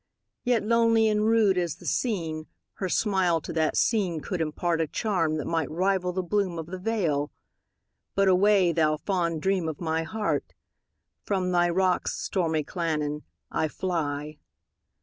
Yet lonely and rude as the scene, Her smile to that scene could impartA charm that might rival the bloom of the vale,—But away, thou fond dream of my heart! From thy rocks, stormy Llannon, I fly.